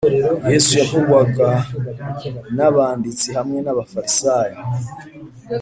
yesu yavugwaga n’abanditsi hamwe n’abafarisayo